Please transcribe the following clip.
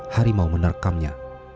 hari mau menerkamnya